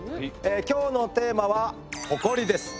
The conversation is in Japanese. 今日のテーマは「ホコリ」です。